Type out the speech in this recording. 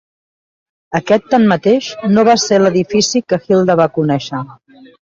Aquest, tanmateix, no va ser l'edifici que Hilda va conèixer.